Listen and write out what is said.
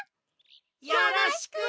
よろしくね！